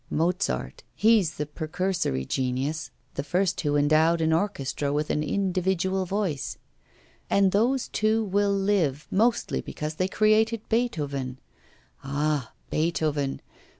Mozart, he's the precursory genius the first who endowed an orchestra with an individual voice; and those two will live mostly because they created Beethoven. Ah, Beethoven!